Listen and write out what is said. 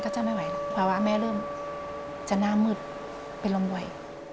จะหน้ามืดเป็นลมไหว